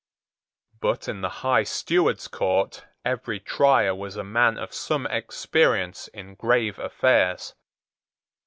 But in the High Steward's Court every Trier was a man of some experience in grave affairs.